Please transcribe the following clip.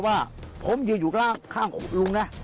ว่าผมจะอยู่กล้างข้างลุง